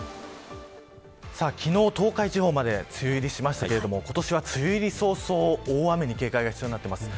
昨日、東海地方まで梅雨入りしましたけど今年は梅雨入りそうそう大雨に警戒が必要になってます。